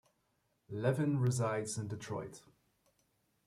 Levin resides in Detroit.